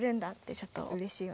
ちょっとうれしいような。